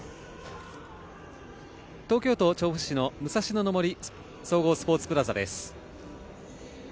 東京都調布市の、武蔵野の森総合スポーツプラザです。